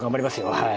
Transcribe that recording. はい。